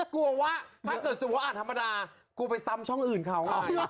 กลัวว่าถ้าเกิดสมมุติอ่านธรรมดากูไปซ้ำช่องอื่นเขา